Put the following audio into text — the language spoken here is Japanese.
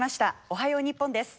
「おはよう日本」です。